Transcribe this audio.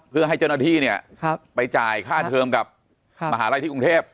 เพื่อให้เจ้าหน้าที่เนี่ยไปจ่ายค่าเทิมกับมหาลัยที่กรุงเทพ